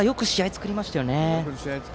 作りましたね。